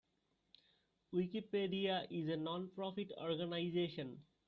Wikipedia is a non-profit organization.